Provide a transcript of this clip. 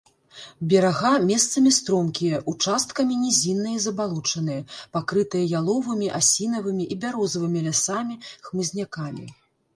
Берага месцамі стромкія, участкамі нізінныя і забалочаныя, пакрытыя яловымі, асінавымі і бярозавымі лясамі, хмызнякамі.